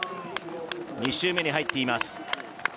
２周目に入っています